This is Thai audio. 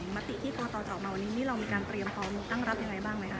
มติที่กรกตจะออกมาวันนี้นี่เรามีการเตรียมพร้อมตั้งรับยังไงบ้างไหมคะ